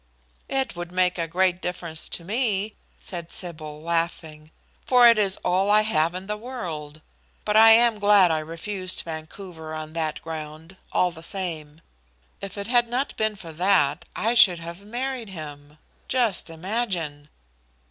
"It would make a great difference to me," said Sybil, laughing, "for it is all I have in the world. But I am glad I refused Vancouver on that ground, all the same. If it had not been for that I should have married him just imagine!"